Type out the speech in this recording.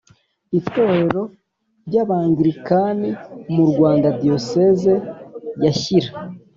itorero rya Anglikani mu Rwanda Diyoseze ya Shyira